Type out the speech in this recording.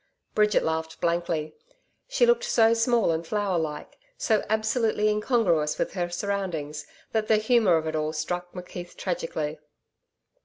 Bridget laughed blankly. She looked so small and flower like, so absolutely incongruous with her surroundings, that the humour of it all struck McKeith tragically.